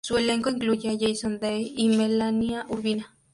Su elenco incluye a Jason Day y Melania Urbina.